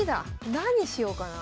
何しようかな。